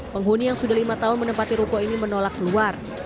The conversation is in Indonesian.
penghuni yang sudah lima tahun menempati ruko ini menolak keluar